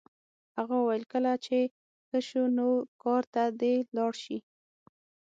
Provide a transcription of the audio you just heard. هغه وویل کله چې ښه شو نو کار ته دې لاړ شي